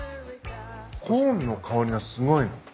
コーンの香りがすごいの。